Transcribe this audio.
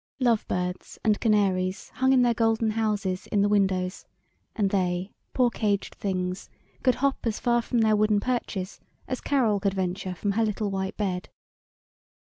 Love birds and canaries hung in their golden houses in the windows, and they, poor caged things, could hop as far from their wooden perches as Carol could venture from her little white bed.